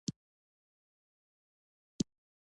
خاوره به ستا قدمونو ناپاکه کړې وي.